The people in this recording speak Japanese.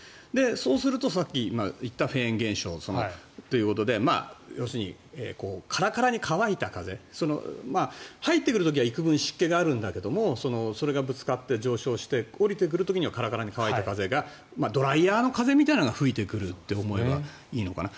そうすると、さっき言ったフェーン現象ということで要するにカラカラに乾いた風入ってくる時は幾分、湿気があるんだけどそれがぶつかって上昇して下りてくる時にはカラカラに乾いた風がドライヤーの風みたいなのが吹いてくると思えばいいのかな。